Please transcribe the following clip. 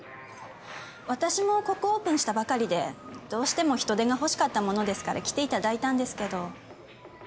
私もここをオープンしたばかりでどうしても人手が欲しかったものですから来ていただいたんですけど。